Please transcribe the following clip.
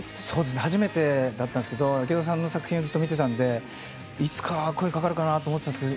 初めてだったんですけど池井戸さんの作品を見てたのでいつか声がかかるかなと思ってたんですけど